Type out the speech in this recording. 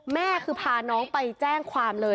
แม่คือพาน้องไปแจ้งความเลย